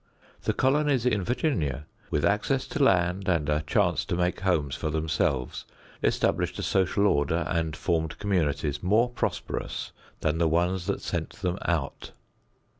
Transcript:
The colonies in Virginia with access to land and a chance to make homes for themselves established a social order and formed communities more prosperous than the ones that sent them out.